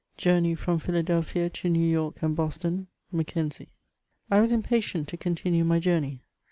JOURKBT FBOM PHILADBLPHIA TO NEW TOBK AND BOSTON — MACKENZIE. I WAS impatient to continue my Journey.